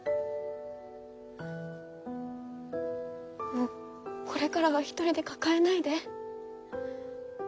もうこれからは一人で抱えないで。